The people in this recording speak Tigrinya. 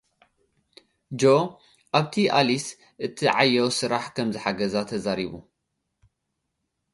ጆ፡ ኣብቲ ኣሊስ እትዓዮ ስራሕ ከምዝሓገዛ ተዛሪቡ።